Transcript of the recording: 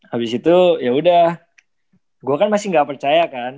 habis itu yaudah gue kan masih gak percaya kan